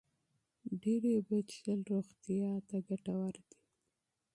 ډېرې اوبه څښل روغتیا ته ښه دي.